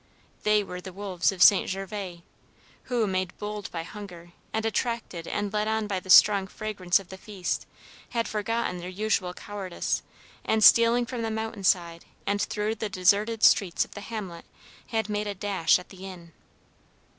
They were the wolves of St. Gervas, who, made bold by hunger, and attracted and led on by the strong fragrance of the feast, had forgotten their usual cowardice, and, stealing from the mountain side and through the deserted streets of the hamlet, had made a dash at the inn.